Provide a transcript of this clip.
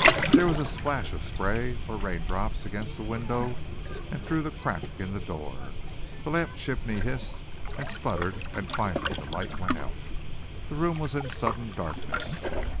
There was a splash of spray or raindrops against the window and through the crack in the door. The lamp chimney hissed and spluttered and finally the light went out. The room was in sudden darkness.